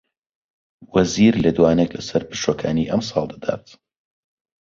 وەزیر لێدوانێک لەسەر پشووەکانی ئەمساڵ دەدات